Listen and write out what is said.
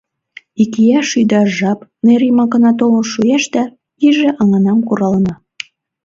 Икияш ӱдаш жап нер йымакына толын шуэш да иже аҥанам куралына.